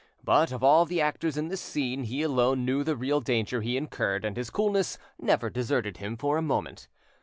But of all the actors in this scene he alone knew the real danger he incurred, and his coolness never deserted him for a moment.